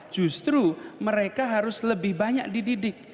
justru mereka harus lebih banyak dididik